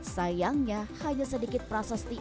sayangnya hanya sedikit prasasti